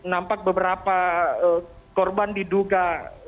nampak beberapa korban diduga